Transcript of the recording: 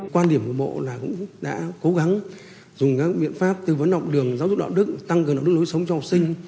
quan điểm của bộ là cũng đã cố gắng dùng các biện pháp tư vấn học đường giáo dục đạo đức tăng cường đạo đức lối sống cho học sinh